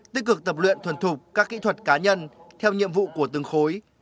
tích cực tập luyện thuần thục các kỹ thuật cá nhân theo nhiệm vụ của từng khối